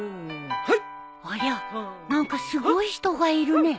ありゃ何かすごい人がいるね